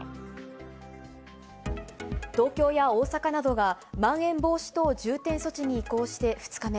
東京や大阪などが、まん延防止等重点措置に移行して２日目。